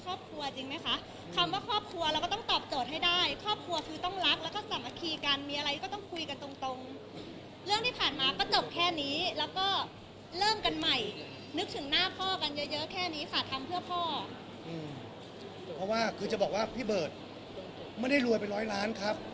เพราะว่าคือจะบอกว่าพี่เบิร์ตไม่ได้รวยไปร้อยล้านครับ